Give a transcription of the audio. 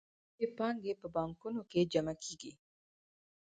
لویې پانګې په بانکونو کې جمع کېږي